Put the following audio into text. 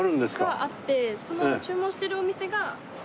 があってその注文してるお店が。